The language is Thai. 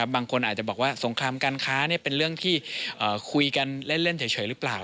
บางคนอาจจะบอกว่าสงครามการค้าเป็นเรื่องที่คุยกันเล่นเฉยหรือเปล่า